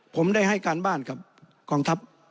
ผมได้ให้การบ้านกับกองทัพ